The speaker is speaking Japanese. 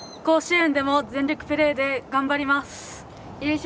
甲子園でも全力プレーで頑張ります。